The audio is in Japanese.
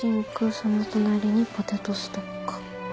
その隣にポテトストッカー。